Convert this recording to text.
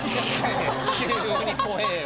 急に怖ぇよ。